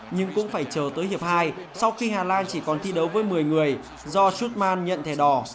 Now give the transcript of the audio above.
nhưng cũng phải chờ tới hiệp hai sau khi hà lan chỉ còn thi đấu với một mươi người do shutman nhận thẻ đỏ